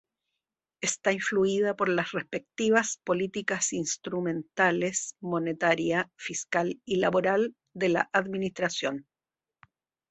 Está influida por las respectivas políticas instrumentales monetaria, fiscal y laboral de la administración.